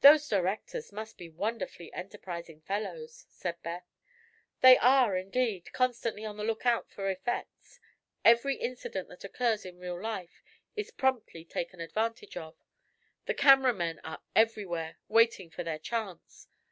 "Those directors must be wonderfully enterprising fellows," said Beth. "They are, indeed, constantly on the lookout for effects. Every incident that occurs in real life is promptly taken advantage of. The camera men are everywhere, waiting for their chance.